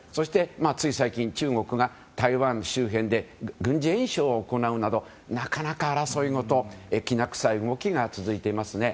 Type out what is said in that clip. つい最近、中国が台湾周辺で軍事演習を行うなどなかなか争いごときな臭い動きが続いていますね。